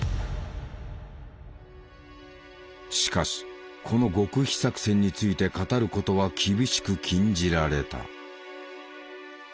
しかしこの極秘作戦について語ることは厳しく禁じられた。